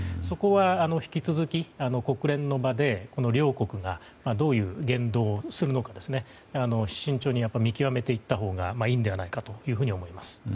そこは引き続き国連の場で両国がどういう言動をするのか慎重に見極めていったほうがいいのではないかというふうに思います。